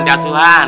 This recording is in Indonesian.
iya otot terus